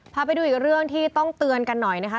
พาไปดูอีกเรื่องที่ต้องเตือนกันหน่อยนะคะ